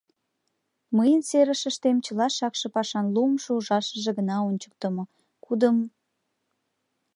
— Мыйын серышыштем чыла шакше пашан луымшо ужашыже гына ончыктымо, кудым...